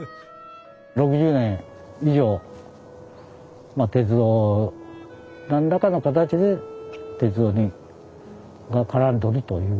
６０年以上鉄道何らかの形で鉄道が絡んどるという。